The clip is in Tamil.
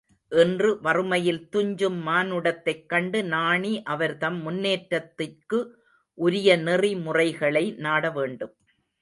இன்று வறுமையில் துஞ்சும் மானுடத்தைக் கண்டு நாணி அவர்தம் முன்னேற்றத்திற்கு உரிய நெறி முறைகளை நாடவேண்டும்.